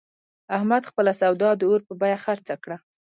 احمد خپله سودا د اور په بیه خرڅه کړه.